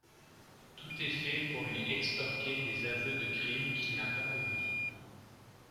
Tout est fait pour lui extorquer des aveux de crimes qu'il n'a pas commis.